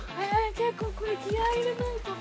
結構これ気合入れないとだ。